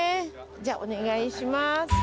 じゃあお願いします。